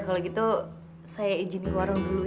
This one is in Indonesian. kalau gitu saya izin ke warung dulu